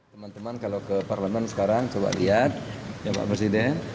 teman teman kalau ke parlemen sekarang coba lihat ya pak presiden